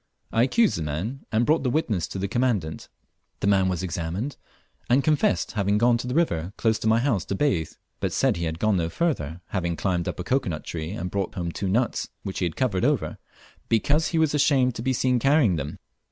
I accused the man and brought the witnesses to the Commandant. The man was examined, and confessed having gone to the river close to my house to bathe; but said he had gone no farther, having climbed up a cocoa nut tree and brought home two nuts, which he had covered over, _because he was ashamed to be seen carrying them!